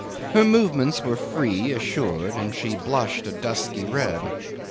Her movements were free, assured, and she blushed a dusky red.